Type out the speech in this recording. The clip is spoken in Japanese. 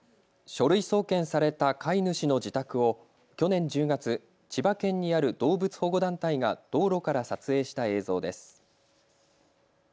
書類送検された飼い主の自宅を去年１０月、千葉県にある動物保護団体が道路から撮影した映像です。